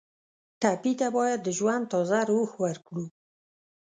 ټپي ته باید د ژوند تازه روح ورکړو.